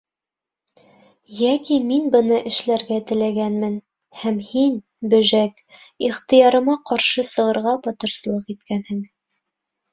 Йәки мин быны эшләргә теләгәнмен, һәм һин, бөжәк, ихтыярыма ҡаршы сығырға батырсылыҡ иткәнһең.